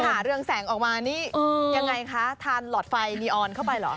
เรื่องแสงออกมานี่ยังไงคะทานหลอดไฟนีออนเข้าไปเหรอ